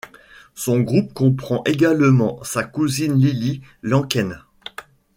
Son groupe comprend également sa cousine Lily Lanken.